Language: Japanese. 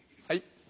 はい。